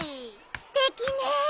すてきね！